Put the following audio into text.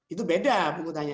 itu beda pungutannya